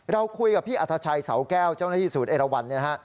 เราคุยกับพี่อัฐชัยเสาแก้วเจ้าหน้าที่สูตรเอลวันนะฮะ